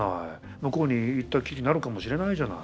向こうに行ったっきりになるかもしれないじゃない？